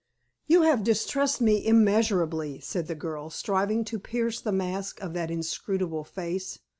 "You have distressed me immeasurably," said the girl, striving to pierce the mask of that inscrutable face.